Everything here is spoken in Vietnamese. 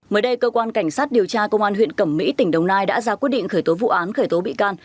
mới đây cơ quan cảnh sát điều tra công an huyện cẩm mỹ tỉnh đồng nai đã ra quyết định khởi tố vụ án khởi tố bị can